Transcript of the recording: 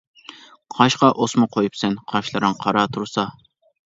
قاشقا ئوسما قويۇپسەن، قاشلىرىڭ قارا تۇرسا.